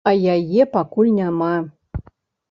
А яе пакуль няма.